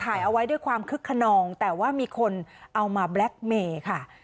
ถ่ายเอาไว้ด้วยความคึกขนองแต่ว่ามีคนเอามาแบล็คเมย์ค่ะ